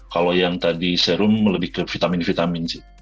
kalau yang tadi serum lebih ke vitamin vitamin sih